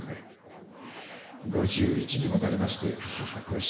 ５１にもなりまして母恋し。